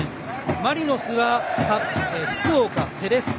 マリノスは福岡、セレッソ